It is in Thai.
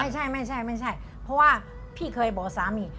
ไม่ใช่ไม่ใช่เพราะว่าพี่เคยบอกสามี